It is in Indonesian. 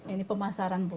ini pemasaran bu